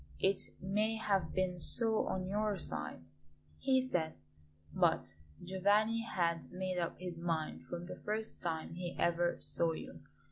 "It may have been so on your side," he said; "but Giovanni had made up his mind from the first time he ever saw you.